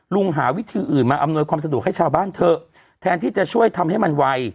หาวิธีอื่นมาอำนวยความสะดวกให้ชาวบ้านเถอะแทนที่จะช่วยทำให้มันไว